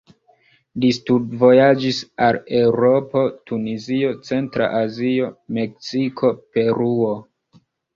Li studvojaĝis al Eŭropo, Tunizio, Centra Azio, Meksiko, Peruo.